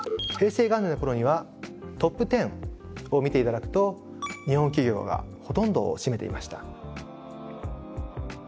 平成元年の頃にはトップ１０を見て頂くと日本企業がほとんどを占めていました。